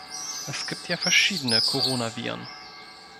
Es gibt ja verschiedene Coronaviren.